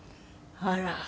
あら。